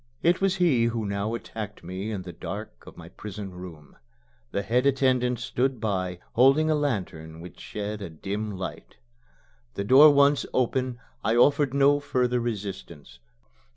It was he who now attacked me in the dark of my prison room. The head attendant stood by, holding a lantern which shed a dim light. The door once open, I offered no further resistance.